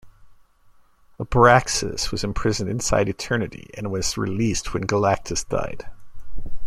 Abraxas was imprisoned inside Eternity and was released when Galactus died.